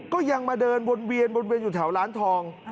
ก็ยังมาเดินบนเวียนอยู่แถวร้านทอง